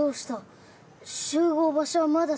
集合場所はまだ先ぞ。